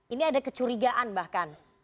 ini ada kecurigaan bahkan